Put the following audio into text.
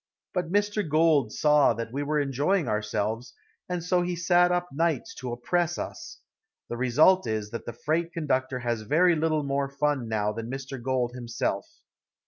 But Mr. Gould saw that we were enjoying ourselves, and so he sat up nights to oppress us. The result is that the freight conductor has very little more fun now than Mr. Gould himself.